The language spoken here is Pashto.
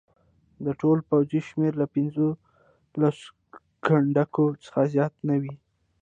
د ټول پوځ شمېر له پنځه لسو کنډکو څخه زیات نه وي.